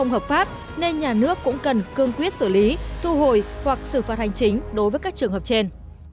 hợp pháp nên nhà nước cũng cần cương quyết xử lý thu hồi hoặc xử phạt hành chính đối với các trường hợp trên